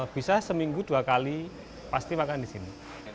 bisa seminggu dua kali pasti makan di sini